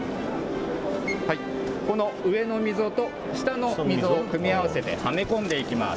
この上の溝と下の溝を組み合わせてはめ込んでいきます。